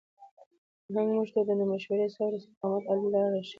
فرهنګ موږ ته د مشورې، صبر او استقامت عالي لارې راښيي.